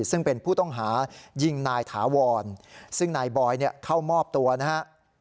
ซึ่งเป็นผู้ต้องหายิงนายถาวรซึ่งนายบอยเข้ามอบตัวนะฮะ